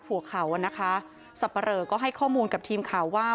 หัวเขาอ่ะนะคะสับปะเหลอก็ให้ข้อมูลกับทีมข่าวว่า